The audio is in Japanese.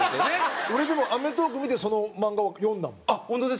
俺でも『アメトーーク』見てその漫画を読んだもん。